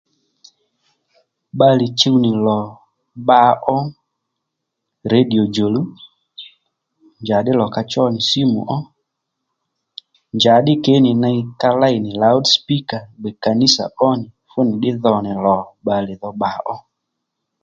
Bbalè chuw nì lò bba ó redio djòluw njàddí lò ka chó nì símù ó njàddí kě nì ney ka léy nì lǎwd spíkǎ kànísà ónì fúnì ddí dho nì lò bba ó